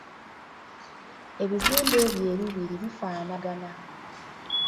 Ebizimbe ebyo ebibiri bifaanagana.